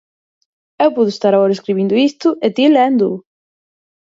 Eu podo estar agora escribindo isto e ti léndoo.